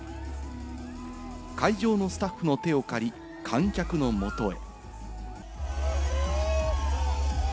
会場のスタッフの手を借り、観客のもとへ。